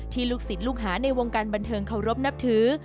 ลูกศิษย์ลูกหาในวงการบันเทิงเคารพนับถือ